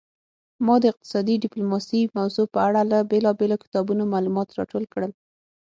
ما د اقتصادي ډیپلوماسي موضوع په اړه له بیلابیلو کتابونو معلومات راټول کړل